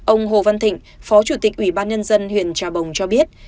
ông hồ văn thịnh phó chủ tịch ủy ban nhân dân huyện trà bồng cho biết